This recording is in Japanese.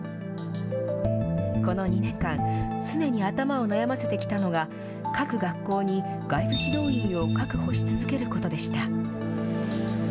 この２年間、常に頭を悩ませてきたのが各学校に外部指導員を確保し続けることでした。